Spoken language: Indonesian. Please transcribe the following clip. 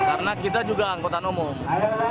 karena kita juga anggota nomor